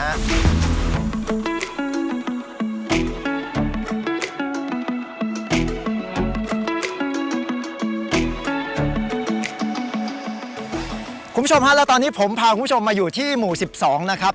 คุณผู้ชมฮะแล้วตอนนี้ผมพาคุณผู้ชมมาอยู่ที่หมู่๑๒นะครับ